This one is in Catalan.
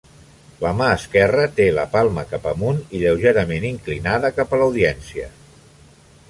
La mà esquerra té la palma cap amunt i lleugerament inclinada cap a l'audiència.